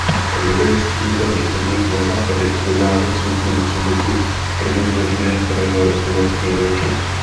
Liberecký dopravní podnik na základě objednávek soukromých subjektů provozuje dvě pravidelné komerční linky.